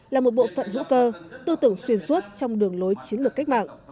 là một bộ phận hữu cơ tư tưởng xuyên suốt trong đường lối chiến lược cách mạng